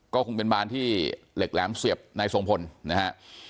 ก็คงเป็นบานที่เหล็กแหลมเสียบนายทรงพลนะฮะ